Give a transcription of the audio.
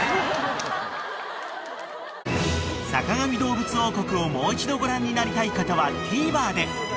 ［『坂上どうぶつ王国』をもう一度ご覧になりたい方はＴＶｅｒで］